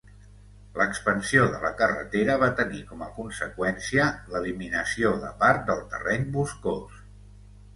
L'expansió de la carretera va tenir com a conseqüència l'eliminació de part del terreny boscós.